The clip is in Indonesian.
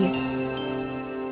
tetesan hujan sudah tertidur